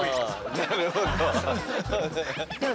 なるほど。